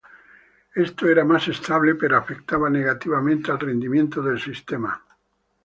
Esto era más estable, pero afectaba negativamente al rendimiento del sistema.